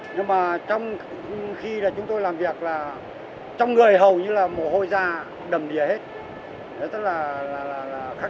nhưng mà trong khi là chúng tôi làm việc là trong người hầu như là mồ hôi da đầm đỉa hết đó là khắc